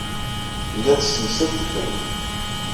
Tella tessemsad tiferyin.